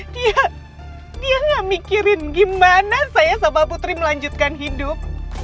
dia dia gak mikirin gimana saya sapa putri melanjutkan hidup